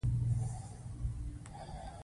غریب له هر چا ښه زړه لري